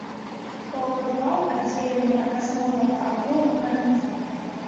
Паўпадвал аддзелены ад асноўнага аб'ёму карнізам.